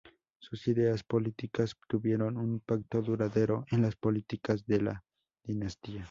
Sus ideas políticas tuvieron un impacto duradero en las políticas de la dinastía.